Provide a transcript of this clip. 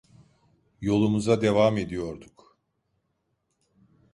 Yolumuza devam ediyorduk.